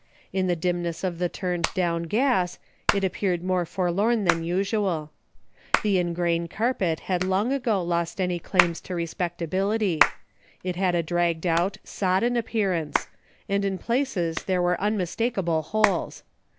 In the dimness of the turned down gas, it appeared more forlorn than usual. The ingrain carpet had long ago 6 A DAILY BATE.'' lost any claims to respectability. It had a dragged out, sodden appearance, and in places there were unmistakable holes.